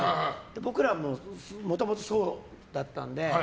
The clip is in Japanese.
僕らはもともとそうだったので。